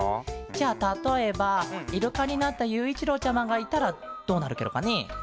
じゃあたとえばイルカになったゆういちろうちゃまがいたらどうなるケロかねえ？